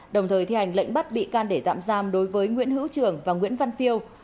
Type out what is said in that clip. đồng thời thi hành lệnh bắt bị can để tạm giam đối với nguyễn hữu trường và nguyễn văn phiêu